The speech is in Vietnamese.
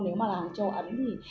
nếu mà hàng châu ấn thì